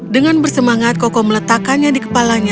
dengan bersemangat koko meletakkannya di kepalanya